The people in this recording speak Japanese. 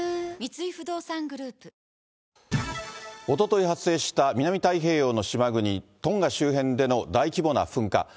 おととい発生した南太平洋の島国、トンガ周辺での大規模な噴火。